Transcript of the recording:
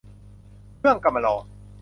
เครื่องกำมะลอ